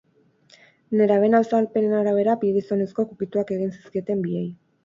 Nerabeen azalpenen arabera, bi gizonezkok ukituak egin zizkieten biei.